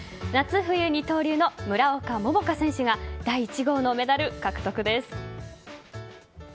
夏冬二刀流の村岡桃佳選手が第１号のメダル獲得です。